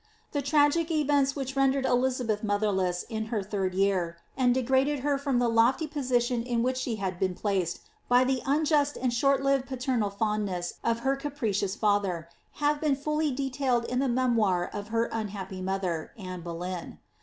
The tragic events which rendered Elizabeth motherless in her third year, and degraded her from the lofty position in which she had beeo placed by the unjust and short lived paternal fondness of her capricious father, have been fully detailed in the memoir of her unhappy mother, Anne Boleyn.